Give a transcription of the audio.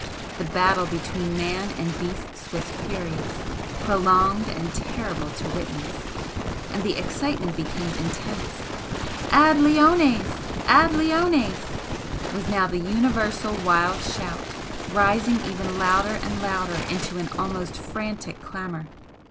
The battle between man and beasts was furious, prolonged and terrible to witness and the excitement became intense. "Ad leones! Ad leones!" was now the universal wild shout, rising ever louder and louder into an almost frantic clamour.